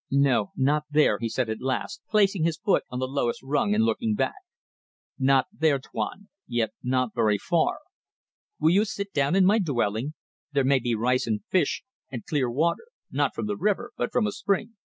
"No, not there," he said at last, placing his foot on the lowest rung and looking back. "Not there, Tuan yet not very far. Will you sit down in my dwelling? There may be rice and fish and clear water not from the river, but from a spring